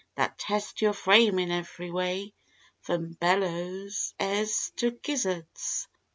That test your frame in ev'ry way from bellowses to gizzards.